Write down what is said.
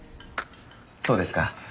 そうですか。